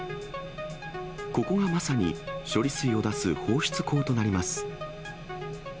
ここがまさに、処理水を出す放出口となります。